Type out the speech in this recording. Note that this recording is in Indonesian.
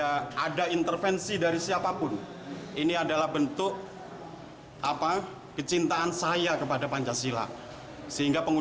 tiga keseluruhan kemuliaan